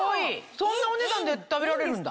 そんなお値段で食べられるんだ？